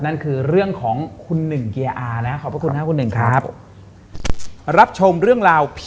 นั่นคือเรื่องของคุณหนึ่งเกียร์อาร์นะ